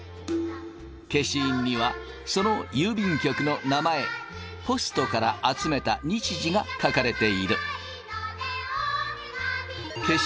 消印にはその郵便局の名前ポストから集めた日時が書かれている。